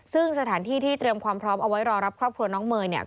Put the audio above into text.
ซึ่งสถานที่ที่เตรียมความพร้อมเอาไว้รอรับครอบครัวน้องเมย์เนี่ย